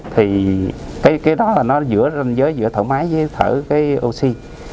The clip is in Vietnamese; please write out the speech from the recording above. thì cái đó là nó giữa ranh giới giữa thở máy với thở oxy